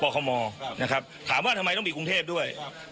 คมนะครับถามว่าทำไมต้องมีกรุงเทพด้วย